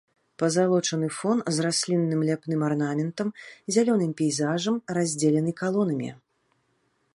Пазалочаны фон з раслінным ляпным арнаментам, зялёным пейзажам раздзелены калонамі.